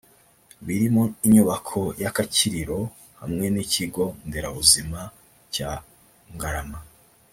birimo inyubako y’akakiriro hamwe n’ikigo nderabuzima cya Ngarama